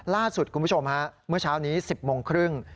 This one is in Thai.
ล่าสุดคุณผู้ชมฮะเมื่อเช้านี้๑๐โมงครึ่ง